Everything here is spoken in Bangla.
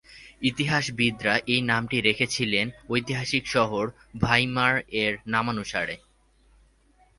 ইতিহাসবিদরা এই নামটি রেখেছিলেন ঐতিহাসিক শহর ভাইমার-এর নামানুসারে।